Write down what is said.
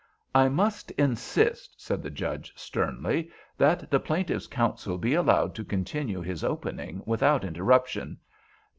"I must insist," said the Judge, sternly, "that the plaintiff's counsel be allowed to continue his opening without interruption.